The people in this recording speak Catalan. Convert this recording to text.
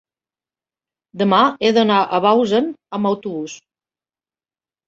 demà he d'anar a Bausen amb autobús.